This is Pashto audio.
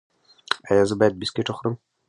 ایا زه باید بسکټ وخورم؟